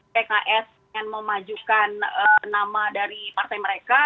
pks ingin memajukan nama dari partai mereka